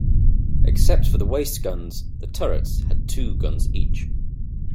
Except for the waist guns, the turrets had two guns each.